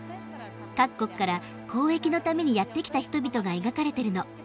各国から交易のためにやって来た人々が描かれてるの。